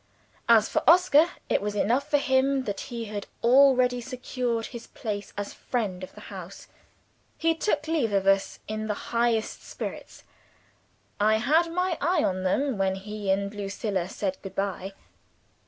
As for Oscar, it was enough for him that he had already secured his place as friend of the house. He took leave of us in the highest spirits. I had my eye on them when he and Lucilla said good bye.